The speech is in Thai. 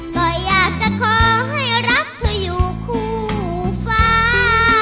ก็อยากจะขอให้รักเธออยู่คู่ฟ้า